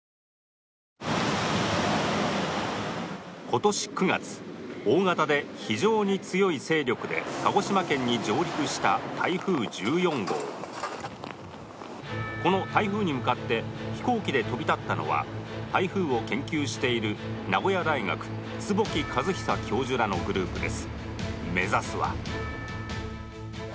今年９月大型で非常に強い勢力で鹿児島県に上陸した台風１４号この台風に向かって飛行機で飛び立ったのは台風を研究している名古屋大学坪木和久教授らのグループです